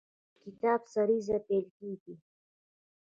دلته د کتاب سریزه پیل کیږي.